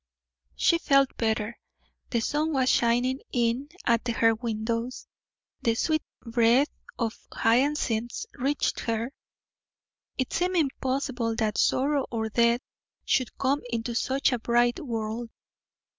She felt better. The sun was shining in at her windows, the sweet breath of the hyacinths reached her. It seemed impossible that sorrow or death should come into such a bright world.